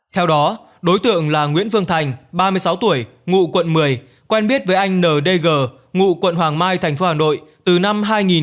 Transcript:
theo đó đối tượng là nguyễn phương thành ba mươi sáu tuổi ngụ quận một mươi quen biết với anh n d g ngụ quận hoàng mai tp hcm từ năm hai nghìn một mươi một